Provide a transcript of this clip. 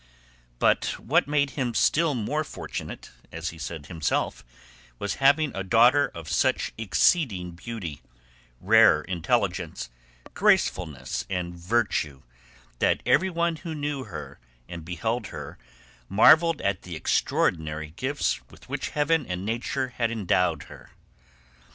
But what made him still more fortunate, as he said himself, was having a daughter of such exceeding beauty, rare intelligence, gracefulness, and virtue, that everyone who knew her and beheld her marvelled at the extraordinary gifts with which heaven and nature had endowed her.